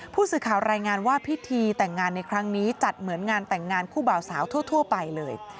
ผู้สื่อข่าวรายงานว่าพิธีแต่งงานในครั้งนี้จัดเหมือนงานแต่งงานคู่บ่าวสาวทั่วไปเลย